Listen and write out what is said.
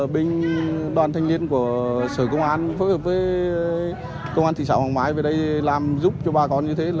bên đoàn thanh niên của sở công an phối hợp với công an thị xã hoàng mai về đây làm giúp cho bà con như thế